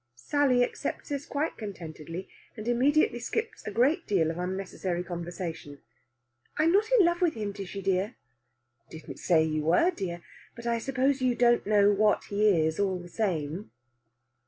Sally accepts this quite contentedly, and immediately skips a great deal of unnecessary conversation. "I'm not in love with him, Tishy dear." "Didn't say you were, dear. But I suppose you don't know what he is, all the same."